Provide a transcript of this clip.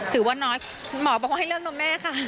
ถือว่าน้อยหมอบอกว่าให้เลือกนมแม่ค่ะ